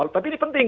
tapi ini penting